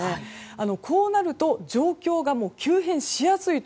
こうなると状況が急変しやすいと。